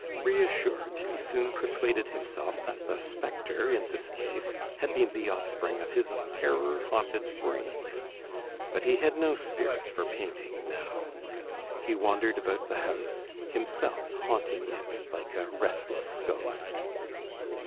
Reassured, he soon persuaded himself that the spectre in this case had been the offspring of his own terror haunted brain. But he had no spirit for painting now. He wandered about the house, himself haunting it like a restless ghost.